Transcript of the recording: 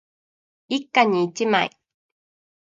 一家に一枚